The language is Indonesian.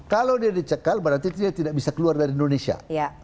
kalau dia dicekal berarti dia tidak bisa keluar dari indonesia